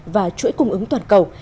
và chuỗi cung ứng toàn cầu